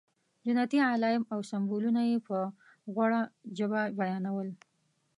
جنتي علایم او سمبولونه یې په غوړه ژبه بیانول.